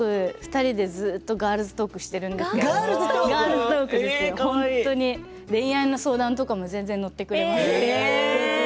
２人でずっと変わらずトークしてるんですけれど恋愛の相談とかも全然乗ってくれます。